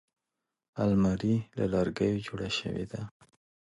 الماري له لرګیو جوړه شوې ده